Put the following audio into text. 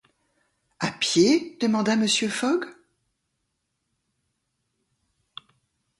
À pied? demanda Mr. Fogg.